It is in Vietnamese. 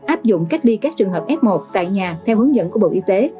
áp dụng cách ly các trường hợp f một tại nhà theo hướng dẫn của bộ y tế